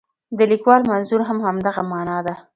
د لیکوال منظور هم همدغه معنا ده.